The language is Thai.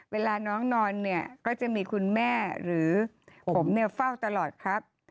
เวลาน้องนอนก็จะมีคุณแม่หรือผมเฝ้าตลอดครับ